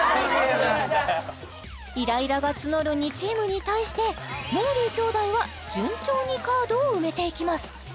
イライラが募る２チームに対してもーりー兄弟は順調にカードを埋めていきます